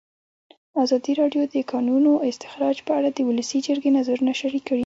ازادي راډیو د د کانونو استخراج په اړه د ولسي جرګې نظرونه شریک کړي.